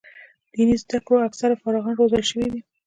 دیني زده کړو اکثره فارغان روزل شوي دي.